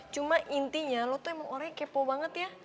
cuma intinya lo tuh emang orangnya kepo banget ya